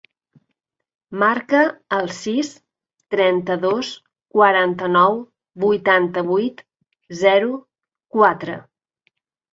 Marca el sis, trenta-dos, quaranta-nou, vuitanta-vuit, zero, quatre.